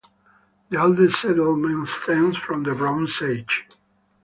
The oldest settlement stems from the Bronze Age.